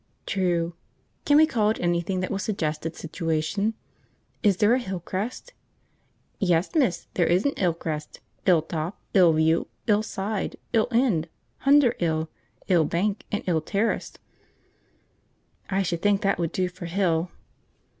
"True. Can we call it anything that will suggest its situation? Is there a Hill Crest?" "Yes, miss, there is 'Ill Crest, 'Ill Top, 'Ill View, 'Ill Side, 'Ill End, H'under 'Ill, 'Ill Bank, and 'Ill Terrace." "I should think that would do for Hill."